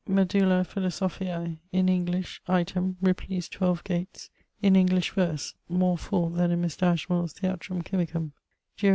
Medulla Philosophiae, in English; item, Ripley's XII Gates, in English verse (more full then in Mr. Ashmole's Theatrum Chymicum) 'Geo.